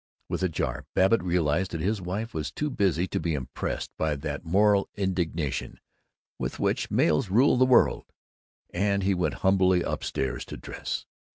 With a jar Babbitt realized that his wife was too busy to be impressed by that moral indignation with which males rule the world, and he went humbly up stairs to dress.